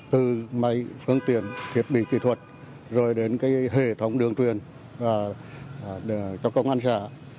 từ máy phương tiện thiết bị kỹ thuật rồi đến hệ thống đường truyền và cho công an xã